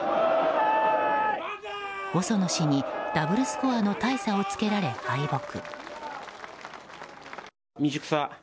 細野氏にダブルスコアの大差をつけられ敗北。